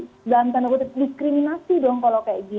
kenapa di dalam tanda kutip diskriminasi dong kalau kayak gitu